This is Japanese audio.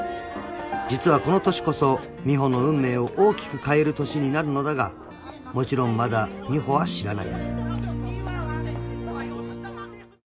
［実はこの年こそ美帆の運命を大きく変える年になるのだがもちろんまだ美帆は知らない］